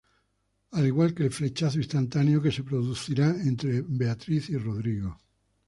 Al igual que el flechazo instantáneo que se producirá entre Beatriz y Rodrigo.